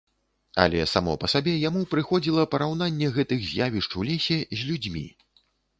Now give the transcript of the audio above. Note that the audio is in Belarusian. Але само па сабе яму прыходзіла параўнанне гэтых з'явішч у лесе з людзьмі.